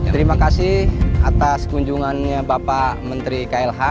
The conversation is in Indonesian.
terima kasih atas kunjungannya bapak menteri klh